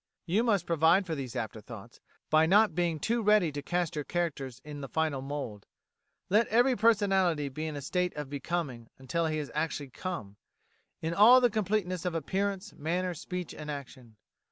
You must provide for these "afterthoughts" by not being too ready to cast your characters in the final mould. Let every personality be in a state of becoming until he has actually come in all the completeness of appearance, manner, speech, and action.